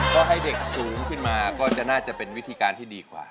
ก็ให้เด็กสูงขึ้นมาก็จะน่าจะเป็นวิธีการที่ดีกว่า